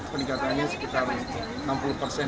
peningkatannya sekitar enam puluh persen